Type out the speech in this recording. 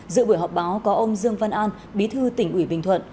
dự buổi họp báo có ông dương văn an bí thư tỉnh ủy bình thuận